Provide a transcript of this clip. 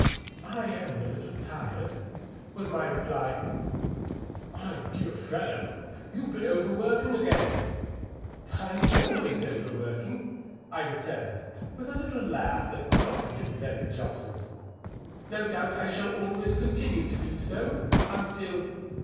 " I am a little tired,'' was my reply. " My dear fellow, you've been overworking again." '^Fm always overworking," I returned, with a little laugh that could not have* been very jocund. " No doubt I shall always continue to do so, until